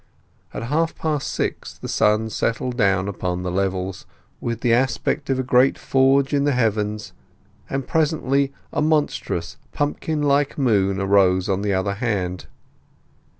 At half past six the sun settled down upon the levels with the aspect of a great forge in the heavens; and presently a monstrous pumpkin like moon arose on the other hand.